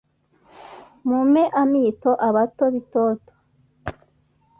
Mumpe amito abato b'itoto